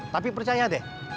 tapi percaya deh